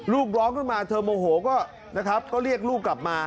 ลูกร้องขึ้นมาเธอโมโหก็นะครับก็เรียกลูกกลับมา